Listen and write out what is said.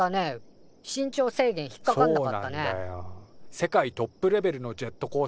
世界トップレベルのジェットコースターによ